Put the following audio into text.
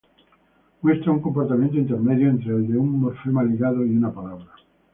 Muestra un comportamiento intermedio entre el de un morfema ligado y una palabra.